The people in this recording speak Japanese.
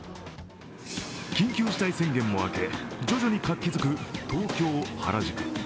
緊急事態宣言も明け、徐々に活気づく東京・原宿。